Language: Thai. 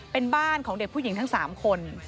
เป็นบ้านของเด็กผู้หญิงทั้ง๓คน